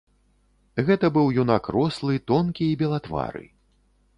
Гэта быў юнак рослы, тонкі і белатвары.